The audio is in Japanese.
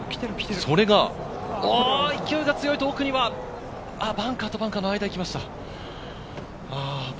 勢いが強いと、奥にはバンカーとバンカーの間に行きました。